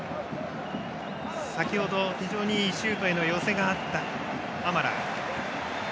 先ほど、非常にいいシュートへの寄せがあったアマラー。